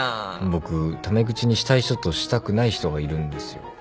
僕タメ口にしたい人としたくない人がいるんですよ。